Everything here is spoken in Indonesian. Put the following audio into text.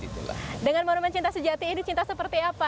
dengan monumen cinta sejati ini cinta seperti apa